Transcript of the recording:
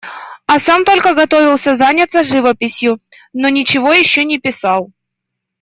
А сам только готовился заняться живописью, но ничего еще не писал.